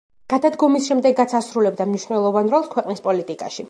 გადადგომის შემდეგაც ასრულებდა მნიშვნელოვან როლს ქვეყნის პოლიტიკაში.